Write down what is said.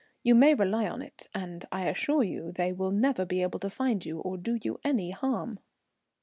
You may rely on it, and I assure you they will never be able to find you or do you any harm."